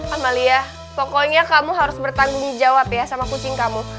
amalia pokoknya kamu harus bertanggung jawab ya sama kucing kamu